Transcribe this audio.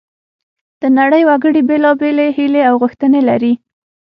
د نړۍ وګړي بیلابیلې هیلې او غوښتنې لري